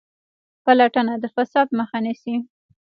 پلټنه د فساد مخه نیسي